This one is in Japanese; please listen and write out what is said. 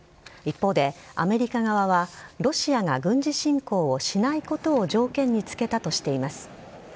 一方で、アメリカ側は、ロシアが軍事侵攻をしないことを条件につけたとしています。